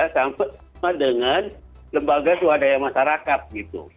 sama dengan lembaga suadaya masyarakat